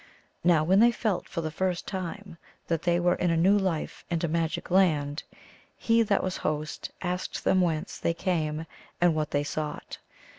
Now when they felt for the first time that they were in a new life and a magic land, he that was host asked them whence they came and what they sought.